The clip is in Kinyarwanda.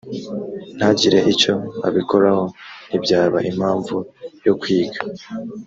ntagire icyo abikoraho ntibyaba impamvu yo kwiga